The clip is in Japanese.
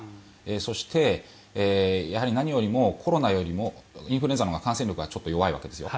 そして何よりも、コロナよりもインフルエンザのほうが感染力がちょっと弱いわけですよ。